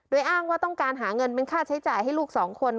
โดยอ้างว่าต้องการหาเงินเป็นค่าใช้จ่ายให้ลูกสองคน